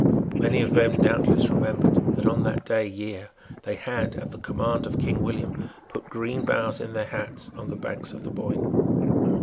Many of them doubtless remembered that on that day year they had, at the command of King William, put green boughs in their hats on the banks of the Boyne.